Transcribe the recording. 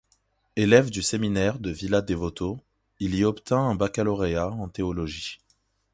Élève du séminaire de Villa Devoto, il y obtint un baccalauréat en théologie.